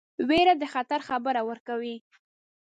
ویره د خطر خبر ورکوي.